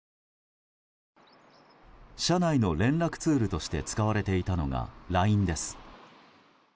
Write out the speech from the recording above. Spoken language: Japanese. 社内の連絡ツールとして使われていたのがＬＩＮＥです。